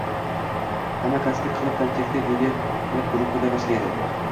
Hamma konspekt qilib, konspektini video qilib gruppaga tashlaydi